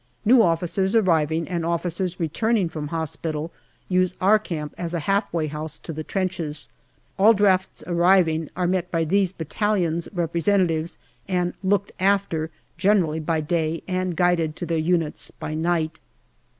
New officers arriving and officers returning from hospital use our camp as a half way house to the trenches. All drafts arriving are met by these battalions' representatives and " looked after " generally by day and guided to their units by night.